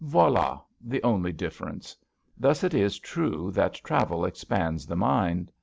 Voild the only difference. Thus it is true that travel expands the mind.